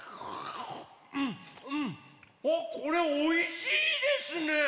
あこれおいしいですね！